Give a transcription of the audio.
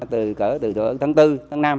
từ tháng bốn tháng năm